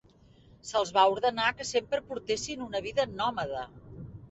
Se'ls va ordenar que sempre portessin una vida nòmada.